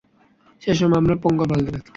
সে সময় আমরা পঙ্গপাল খেতাম।